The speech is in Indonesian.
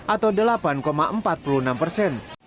atau delapan delapan ribu orang